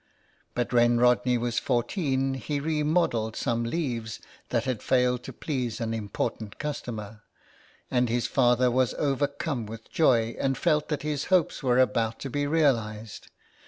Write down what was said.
But IN THE CLAY. when Rodney was fourteen he re modelled some leaves that had failed to please an important cus tomer ; and his father was overcome with joy, and felt that his hopes were about to be realised.